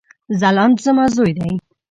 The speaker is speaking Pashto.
ځلاند زما ځوي دی